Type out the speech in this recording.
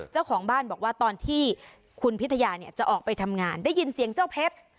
เจ้าของบ้านบอกว่าตอนที่คุณพิทยาจะออกไปทำงานได้ยินเสียงเจ้าเพชร